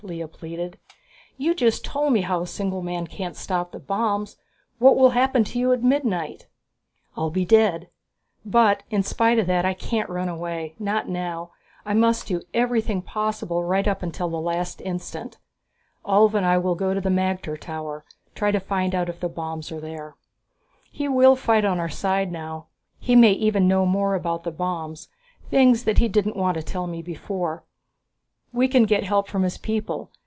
Lea pleaded. "You just told me how a single man can't stop the bombs. What will happen to you at midnight?" "I'll be dead but in spite of that I can't run away. Not now. I must do everything possible right up until the last instant. Ulv and I will go to the magter tower, try to find out if the bombs are there. He will fight on our side now. He may even know more about the bombs, things that he didn't want to tell me before. We can get help from his people.